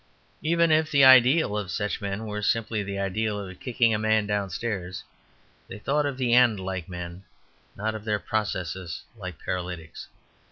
Even if the ideal of such men were simply the ideal of kicking a man downstairs, they thought of the end like men, not of the process like paralytics.